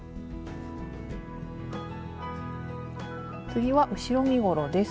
次は後ろ身ごろです。